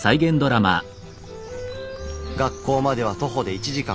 学校までは徒歩で１時間。